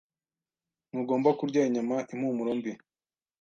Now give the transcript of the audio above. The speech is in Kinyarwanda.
Ntugomba kurya inyama. Impumuro mbi.